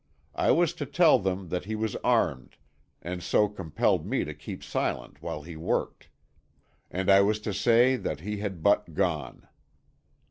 I was to tell them that he was armed, and so compelled me to keep silent while he worked. And I was to say that he had but gone.